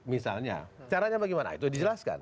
misalnya caranya bagaimana itu dijelaskan